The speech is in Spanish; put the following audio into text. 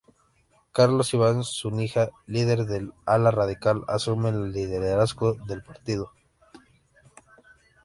Carlos Iván Zúñiga, líder del ala radical, asume el liderazgo del partido.